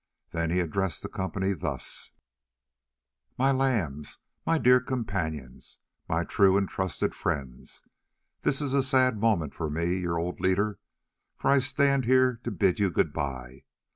Then he addressed the company thus: "My lambs, my dear companions, my true and trusted friends, this is a sad moment for me, your old leader, for I stand here to bid you good bye.